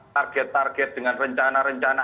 target target dengan rencana rencana